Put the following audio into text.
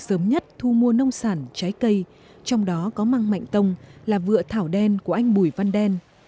sớm nhất thu mua nông sản trái cây trong đó có măng mạnh tông là vựa thảo đen của anh bùi văn đen